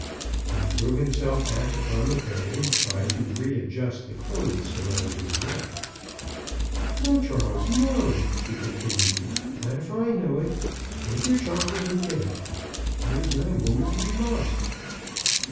He threw himself back upon the bed, and tried to re adjust the clothes around his neck. " No, Charles, no," she continued ;" not if I know it. Take your chocolate and get up. There is not a moment to be lost."